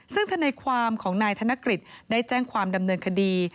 ซึ่งธนายความของนายธนกฤษได้แจ้งความดำเนินคดี